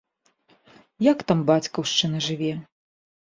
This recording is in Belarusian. Як там бацькаўшчына жыве?